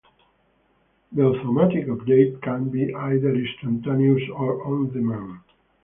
The automatic update can be either instantaneous or on-demand.